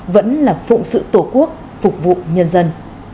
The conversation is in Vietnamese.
vẫn là phụng sự tổ quốc phục vụ nhân dân